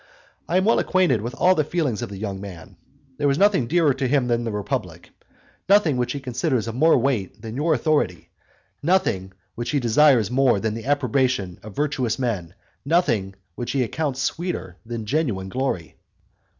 I am well acquainted with all the feelings of the young man: there is nothing dearer to him than the republic, nothing which he considers of more weight than your authority; nothing which he desires more than the approbation of virtuous men; nothing which he accounts sweeter than genuine glory.